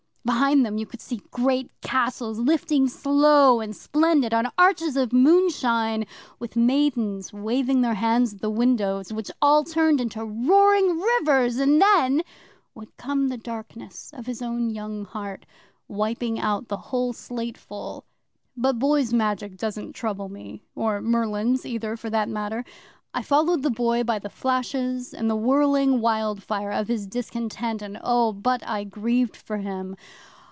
Behind them you could see great castles lifting slow and splendid on arches of moonshine, with maidens waving their hands at the windows, which all turned into roaring rivers; and then would come the darkness of his own young heart wiping out the whole slateful. But boy's Magic doesn't trouble me or Merlin's either for that matter. I followed the Boy by the flashes and the whirling wildfire of his discontent, and oh, but I grieved for him!